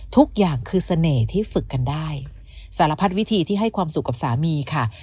ทุกอย่างคือเสน่ห์ที่ฝึกกันได้สารพัดวิธีที่ให้ความสุขกับสามีค่ะ